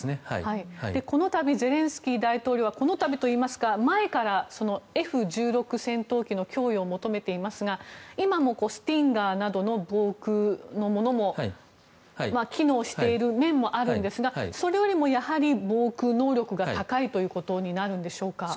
ゼレンスキー大統領は前からＦ１６戦闘機の供与を求めていますが今もスティンガーなどの防空のものも機能している面もあるんですがそれよりも、やはり防空能力が高いということになるんでしょうか。